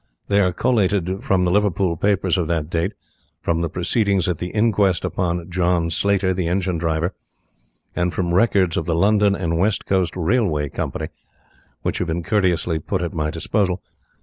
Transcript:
They are collated from the Liverpool papers of that date, from the proceedings at the inquest upon John Slater, the engine driver, and from the records of the London and West Coast Railway Company, which have been courteously put at my disposal.